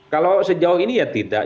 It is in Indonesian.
kalau sejauh ini ya tidak